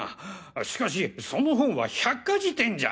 しかしその本は百科事典じゃ！